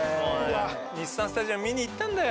日産スタジアム見に行ったよ！